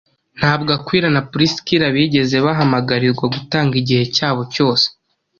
Ntabwo Akwila na Purisikila bigeze bahamagarirwa gutanga igihe cyabo cyose